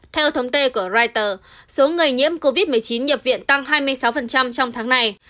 theo thống kê của reuters số người nhiễm covid một mươi chín nhập viện tăng hai mươi sáu trong tháng này